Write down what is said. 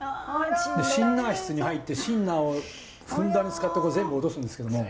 シンナー室に入ってシンナーをふんだんに使って全部落とすんですけども。